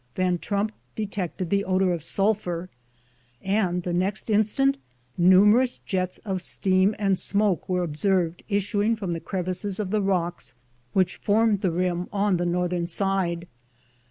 Van Trump detected the odor of sulphur, and the next instant nu merous jets of steam and smoke were observed issuing from the crevices of the rocks which formed the rim on 1 20 FIRST SUCCESSFUL ASCENT, 1870 the northern side.